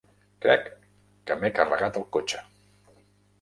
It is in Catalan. Crec que m'he carregat el cotxe.